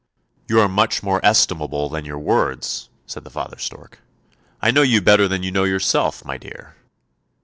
' You are much more estimable than your words," said the father stork. " I know you better than you know yourself, my dear."